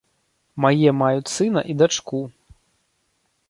Мае маюць сына і дачку.